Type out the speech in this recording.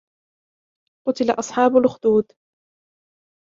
قُتِلَ أَصْحَابُ الْأُخْدُودِ